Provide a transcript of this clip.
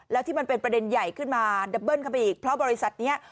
แล้วที่มันเป็นประเด็นใหญ่ขึ้นมาดับเบิ้ลเข้าไปอีกเพราะบริษัทนี้